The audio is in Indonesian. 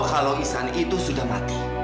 halo isan itu sudah mati